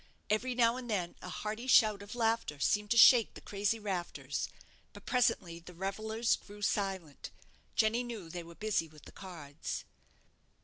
Every now and then a hearty shout of laughter seemed to shake the crazy rafters; but presently the revellers grew silent. Jenny knew they were busy with the cards.